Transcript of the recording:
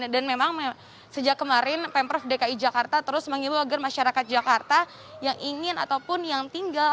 dan memang sejak kemarin pemprov dki jakarta terus mengimu agar masyarakat jakarta yang ingin ataupun yang tinggal